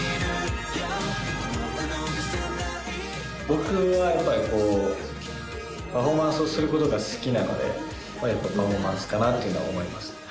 僕はやっぱりこうパフォーマンスをすることが好きなのでまあやっぱパフォーマンスかなっていうのは思いますね。